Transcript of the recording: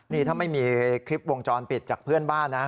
นี่ถ้าไม่มีคลิปวงจรปิดจากเพื่อนบ้านนะ